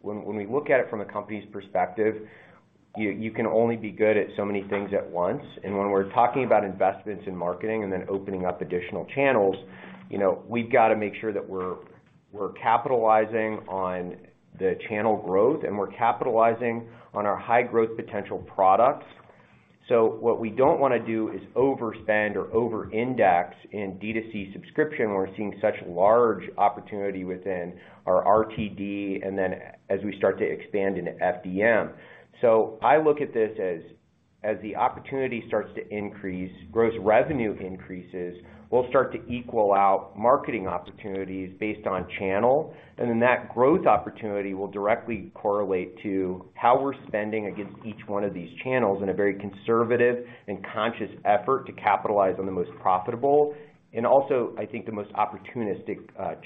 when we look at it from a company's perspective, you can only be good at so many things at once. When we're talking about investments in marketing and then opening up additional channels, you know, we've gotta make sure that we're capitalizing on the channel growth and we're capitalizing on our high growth potential products. What we don't wanna do is overspend or over-index in D2C subscription, where we're seeing such large opportunity within our RTD and then as we start to expand into FDM. I look at this as the opportunity starts to increase, gross revenue increases, we'll start to equal out marketing opportunities based on channel, and then that growth opportunity will directly correlate to how we're spending against each one of these channels in a very conservative and conscious effort to capitalize on the most profitable and also, I think, the most opportunistic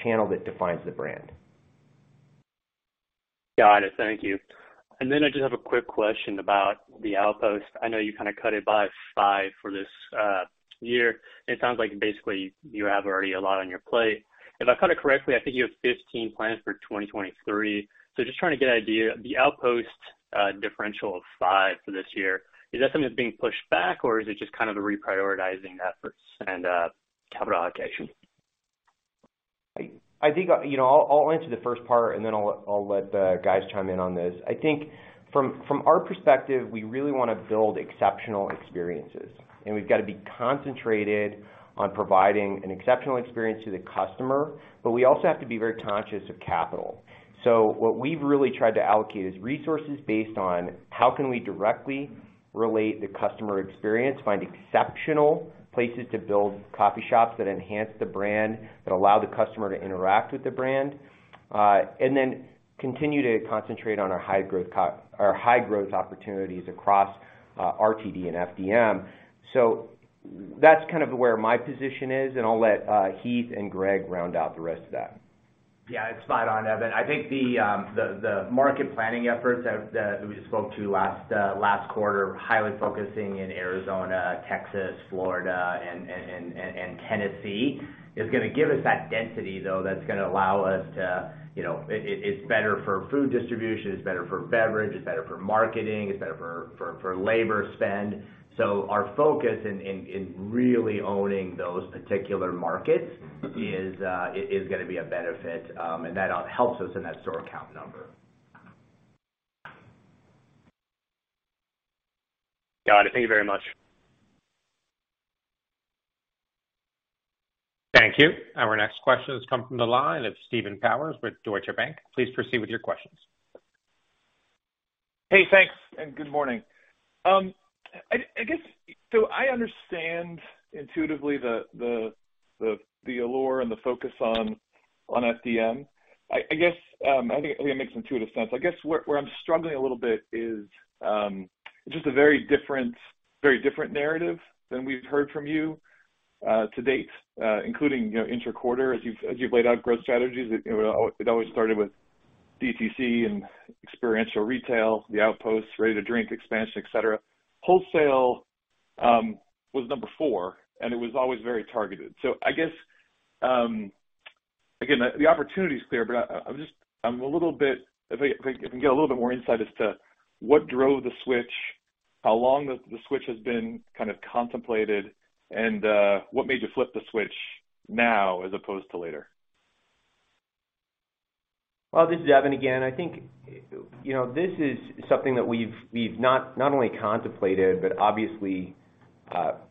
channel that defines the brand. Got it. Thank you. Then I just have a quick question about the Outpost. I know you kinda cut it by five for this year, and it sounds like basically you have already a lot on your plate. If I heard it correctly, I think you have 15 plans for 2023. Just trying to get an idea, the Outpost differential of five for this year, is that something that's being pushed back or is it just kind of reprioritizing efforts and capital allocation? I think, you know, I'll answer the first part, and then I'll let the guys chime in on this. I think from our perspective, we really wanna build exceptional experiences, and we've got to be concentrated on providing an exceptional experience to the customer, but we also have to be very conscious of capital. What we've really tried to allocate is resources based on how can we directly relate the customer experience, find exceptional places to build coffee shops that enhance the brand, that allow the customer to interact with the brand, and then continue to concentrate on our high growth opportunities across RTD and FDM. That's kind of where my position is, and I'll let Heath and Greg round out the rest of that. Yeah, it's spot on, Evan. I think the market planning efforts that we spoke to last quarter, highly focusing in Arizona, Texas, Florida, and Tennessee, is gonna give us that density, though, that's gonna allow us to, you know. It's better for food distribution, it's better for beverage, it's better for marketing, it's better for labor spend. Our focus in really owning those particular markets is gonna be a benefit, and that helps us in that store count number. Got it. Thank you very much. Thank you. Our next question has come from the line of Stephen Powers with Deutsche Bank. Please proceed with your questions. Hey, thanks, and good morning. I understand intuitively the allure and the focus on FDM. I think it makes intuitive sense. I guess where I'm struggling a little bit is it's just a very different narrative than we've heard from you to date, including you know inter-quarter as you've laid out growth strategies. You know, it always started with DTC and experiential retail, the Outposts, ready-to-drink expansion, et cetera. Wholesale was number four, and it was always very targeted. I guess again, the opportunity is clear, but I'm a little bit. If I can get a little bit more insight as to what drove the switch, how long the switch has been kind of contemplated and what made you flip the switch now as opposed to later? Well, this is Evan again. I think, you know, this is something that we've not only contemplated, but obviously,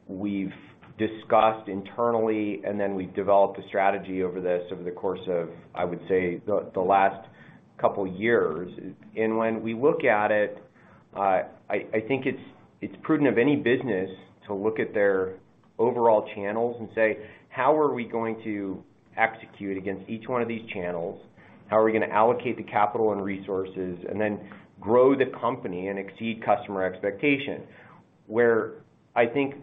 we've discussed internally, and then we've developed a strategy over the course of, I would say, the last couple years. When we look at it, I think it's prudent of any business to look at their overall channels and say, "How are we going to execute against each one of these channels? How are we gonna allocate the capital and resources and then grow the company and exceed customer expectation?" Where I think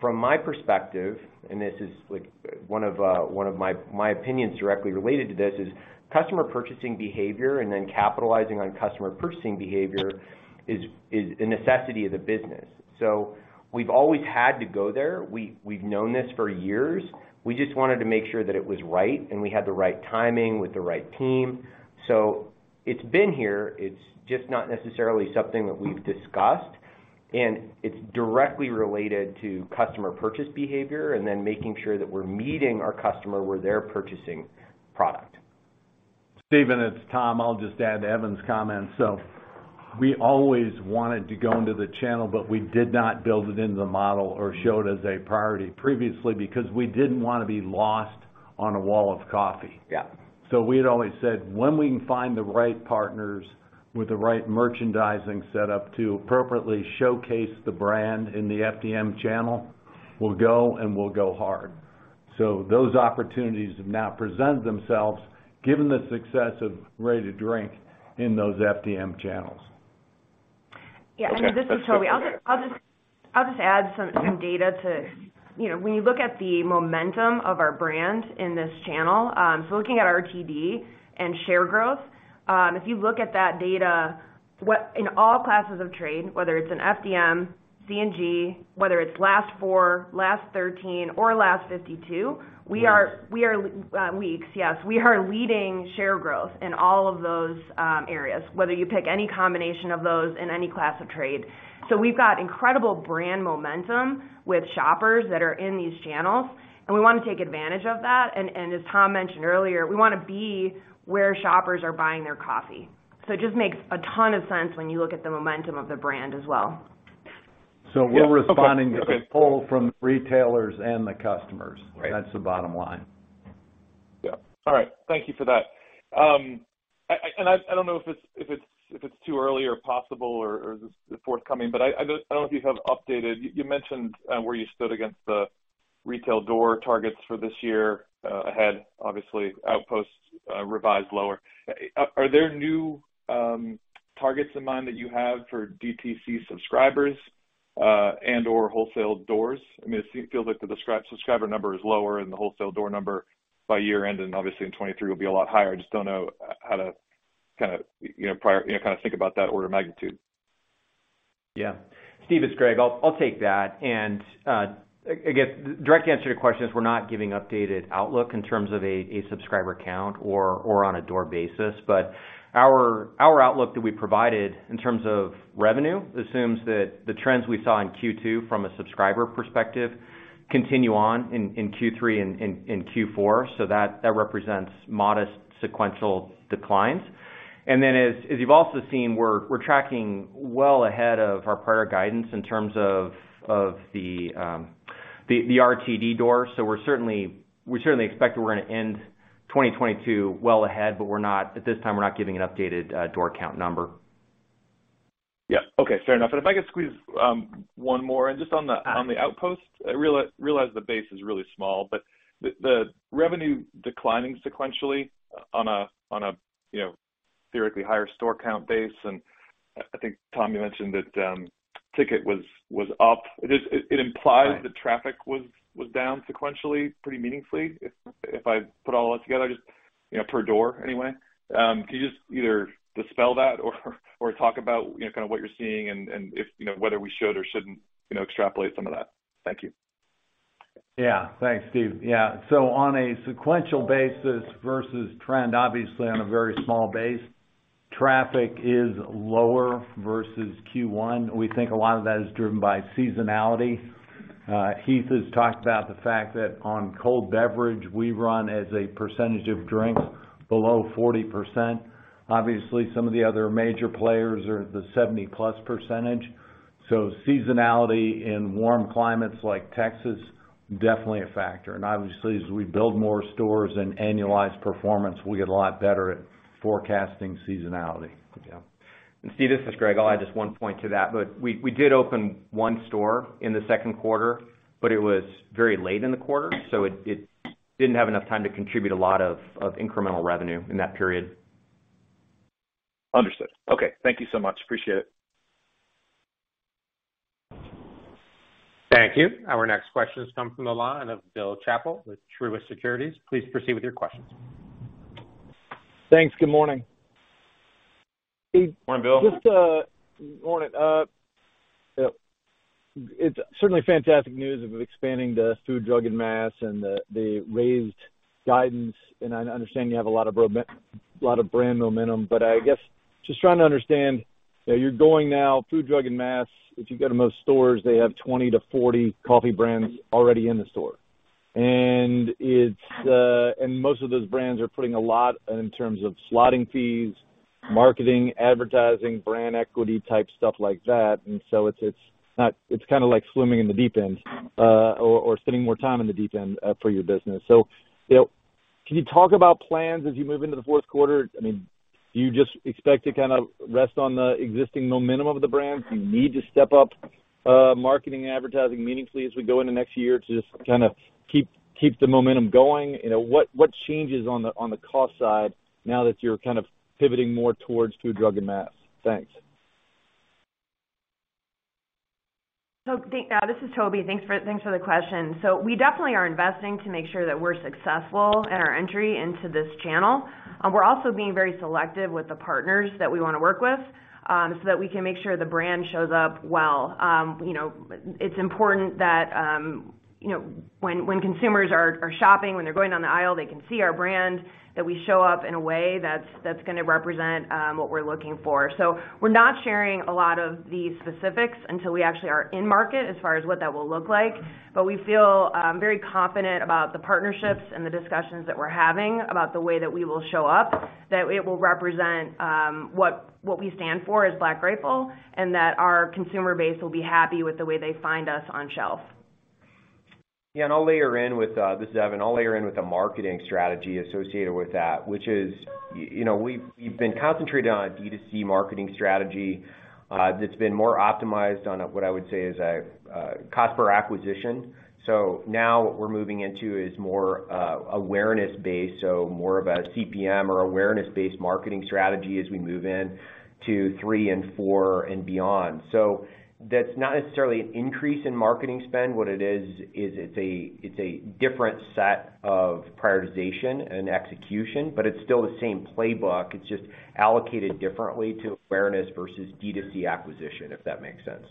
from my perspective, and this is, like, one of my opinions directly related to this, is customer purchasing behavior and then capitalizing on customer purchasing behavior is a necessity of the business. We've always had to go there. We've known this for years. We just wanted to make sure that it was right and we had the right timing with the right team. It's been here. It's just not necessarily something that we've discussed, and it's directly related to customer purchase behavior and then making sure that we're meeting our customer where they're purchasing product. Stephen, it's Tom. I'll just add to Evan's comments. We always wanted to go into the channel, but we did not build it into the model or show it as a priority previously because we didn't wanna be lost on a wall of coffee. Yeah. We had always said, when we can find the right partners with the right merchandising set up to appropriately showcase the brand in the FDM channel, we'll go and we'll go hard. Those opportunities have now presented themselves, given the success of ready-to-drink in those FDM channels Yeah. I mean, this is Toby. I'll just add some data. You know, when you look at the momentum of our brand in this channel, so looking at RTD and share growth, if you look at that data, in all classes of trade, whether it's an FDM, C&G, whether it's last four, last 13 or last 52, we are weeks. We are leading share growth in all of those areas, whether you pick any combination of those in any class of trade. We've got incredible brand momentum with shoppers that are in these channels, and we wanna take advantage of that. As Tom mentioned earlier, we wanna be where shoppers are buying their coffee. It just makes a ton of sense when you look at the momentum of the brand as well. We're responding. Yeah. Okay. Okay. To the pull from retailers and the customers. Right. That's the bottom line. Yeah. All right. Thank you for that. I don't know if it's too early or possible or this is forthcoming, but I don't know if you have updated. You mentioned where you stood against the retail door targets for this year, ahead, obviously, Outposts revised lower. Are there new targets in mind that you have for DTC subscribers and/or wholesale doors? I mean, it feels like the subscriber number is lower and the wholesale door number by year-end, and obviously in 2023 will be a lot higher. I just don't know how to kind of, you know, kind of think about that order of magnitude. Yeah. Steve, it's Greg. I'll take that. Again, the direct answer to your question is we're not giving updated outlook in terms of a subscriber count or on a door basis. Our outlook that we provided in terms of revenue assumes that the trends we saw in Q2 from a subscriber perspective continue on in Q3 and Q4. That represents modest sequential declines. As you've also seen, we're tracking well ahead of our prior guidance in terms of the RTD door. We certainly expect we're gonna end 2022 well ahead, but at this time we're not giving an updated door count number. Yeah. Okay. Fair enough. If I could squeeze one more in on the Outpost. I realize the base is really small, but the revenue declining sequentially on a theoretically higher store count base, and I think, Tom, you mentioned that ticket was up. It implies- Right. that traffic was down sequentially pretty meaningfully if I put all that together, just, you know, per door anyway. Can you just either dispel that or talk about, you know, kind of what you're seeing and if, you know, whether we should or shouldn't, you know, extrapolate some of that. Thank you. Yeah. Thanks, Steve. Yeah. On a sequential basis versus trend, obviously on a very small base, traffic is lower versus Q1. We think a lot of that is driven by seasonality. Heath has talked about the fact that on cold beverage, we run as a percentage of drinks below 40%. Obviously, some of the other major players are at the +70%. Seasonality in warm climates like Texas, definitely a factor. Obviously, as we build more stores and annualize performance, we get a lot better at forecasting seasonality. Yeah. Steven, this is Greg. I'll add just one point to that. We did open one store in the second quarter, but it was very late in the quarter, so it didn't have enough time to contribute a lot of incremental revenue in that period. Understood. Okay. Thank you so much. Appreciate it. Thank you. Our next question comes from the line of Bill Chappell with Truist Securities. Please proceed with your questions. Thanks. Good morning. Good morning, Bill. Just good morning. It's certainly fantastic news of expanding the food, drug, and mass and the raised guidance. I understand you have a lot of brand momentum, but I guess just trying to understand, you know, you're going now food, drug, and mass. If you go to most stores, they have 20-40 coffee brands already in the store. Most of those brands are putting a lot in terms of slotting fees, marketing, advertising, brand equity type stuff like that. It's not, it's kinda like swimming in the deep end, or spending more time in the deep end, for your business. You know, can you talk about plans as you move into the fourth quarter? I mean, do you just expect to kind of rest on the existing momentum of the brand? Do you need to step up marketing and advertising meaningfully as we go into next year to just kinda keep the momentum going? You know, what changes on the cost side now that you're kind of pivoting more towards food, drug, and mass? Thanks. This is Toby. Thanks for the question. We definitely are investing to make sure that we're successful in our entry into this channel. We're also being very selective with the partners that we wanna work with, so that we can make sure the brand shows up well. You know, it's important that you know when consumers are shopping, when they're going down the aisle, they can see our brand, that we show up in a way that's gonna represent what we're looking for. We're not sharing a lot of the specifics until we actually are in market as far as what that will look like. We feel very confident about the partnerships and the discussions that we're having about the way that we will show up, that it will represent what we stand for as Black Rifle and that our consumer base will be happy with the way they find us on shelf. Yeah, I'll layer in with the marketing strategy associated with that, which is, you know, we've been concentrated on a D2C marketing strategy that's been more optimized on what I would say is a cost per acquisition. Now what we're moving into is more awareness-based, so more of a CPM or awareness-based marketing strategy as we move into three and four and beyond. That's not necessarily an increase in marketing spend. What it is, it's a different set of prioritization and execution, but it's still the same playbook. It's just allocated differently to awareness versus D2C acquisition, if that makes sense.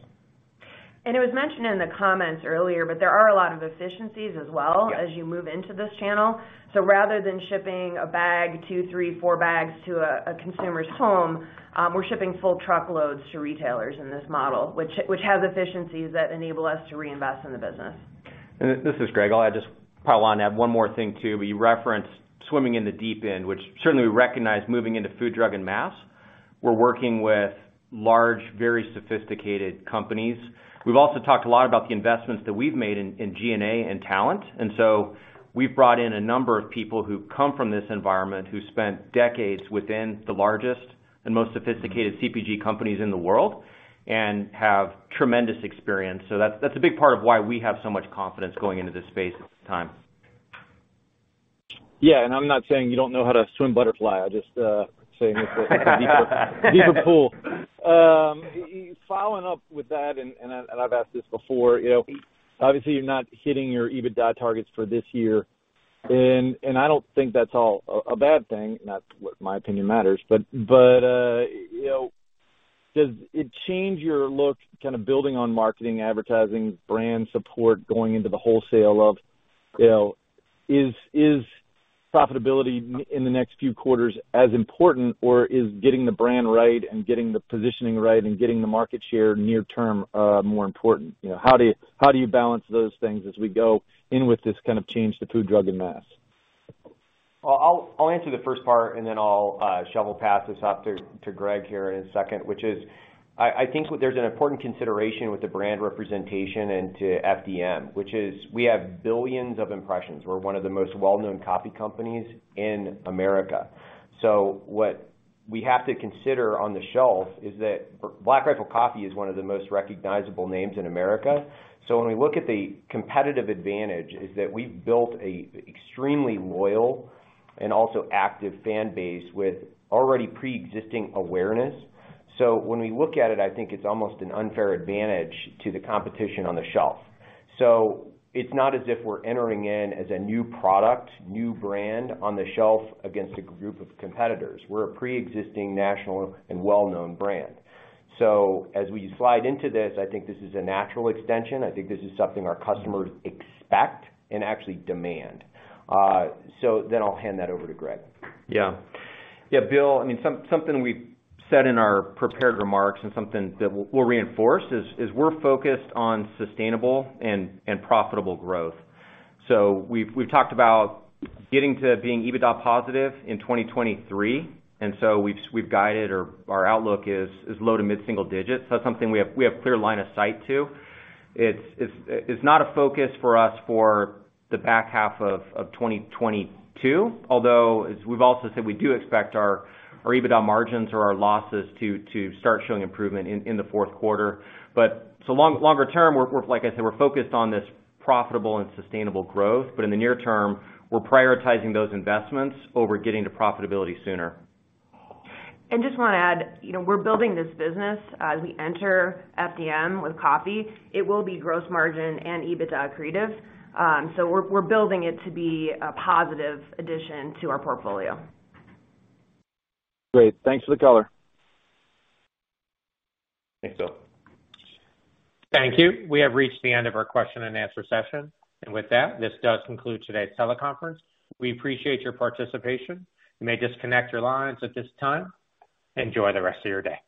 It was mentioned in the comments earlier, but there are a lot of efficiencies as well. Yeah. as you move into this channel. Rather than shipping a bag, two, three, four bags to a consumer's home, we're shipping full truckloads to retailers in this model, which has efficiencies that enable us to reinvest in the business. This is Greg. I'll just probably wanna add one more thing, too. You referenced swimming in the deep end, which certainly we recognize moving into food, drug, and mass. We're working with large, very sophisticated companies. We've also talked a lot about the investments that we've made in G&A and talent. We've brought in a number of people who come from this environment, who spent decades within the largest and most sophisticated CPG companies in the world and have tremendous experience. That's a big part of why we have so much confidence going into this space at this time. Yeah. I'm not saying you don't know how to swim butterfly. I just saying it's a deeper pool. Following up with that, and I've asked this before, you know, obviously, you're not hitting your EBITDA targets for this year. I don't think that's all a bad thing, not that my opinion matters. You know, does it change your outlook on building on marketing, advertising, brand support, going into the wholesale, you know, is profitability in the next few quarters as important, or is getting the brand right and getting the positioning right and getting the market share near term more important? You know, how do you balance those things as we go in with this kind of change to food, drug, and mass? Well, I'll answer the first part, and then I'll shovel pass this off to Greg here in a second, which is I think there's an important consideration with the brand representation into FDM, which is we have billions of impressions. We're one of the most well-known coffee companies in America. What we have to consider on the shelf is that Black Rifle Coffee is one of the most recognizable names in America. When we look at the competitive advantage is that we've built a extremely loyal and also active fan base with already preexisting awareness. When we look at it, I think it's almost an unfair advantage to the competition on the shelf. It's not as if we're entering in as a new product, new brand on the shelf against a group of competitors. We're a preexisting national and well-known brand. As we slide into this, I think this is a natural extension. I think this is something our customers expect and actually demand. I'll hand that over to Greg. Yeah. Yeah, Bill, I mean, something we said in our prepared remarks and something that we'll reinforce is we're focused on sustainable and profitable growth. We've talked about getting to being EBITDA positive in 2023, and we've guided or our outlook is low- to mid-single digits%. That's something we have clear line of sight to. It's not a focus for us for the back half of 2022, although, as we've also said, we do expect our EBITDA margins or our losses to start showing improvement in the fourth quarter. Longer term, like I said, we're focused on this profitable and sustainable growth. In the near term, we're prioritizing those investments over getting to profitability sooner. Just wanna add, you know, we're building this business as we enter FDM with coffee. It will be gross margin and EBITDA accretive. So we're building it to be a positive addition to our portfolio. Great. Thanks for the color. Thanks, Bill. Thank you. We have reached the end of our question and answer session. With that, this does conclude today's teleconference. We appreciate your participation. You may disconnect your lines at this time. Enjoy the rest of your day.